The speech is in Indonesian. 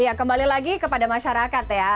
iya kembali lagi kepada masyarakat ya